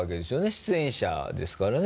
出演者ですからね。